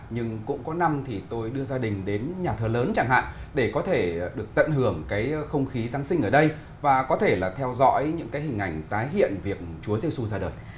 nhưng cũng có năm thì tôi đưa gia đình đến nhà thờ lớn chẳng hạn để có thể được tận hưởng cái không khí giáng sinh ở đây và có thể là theo dõi những cái hình ảnh tái hiện việc chúa giê xu ra đời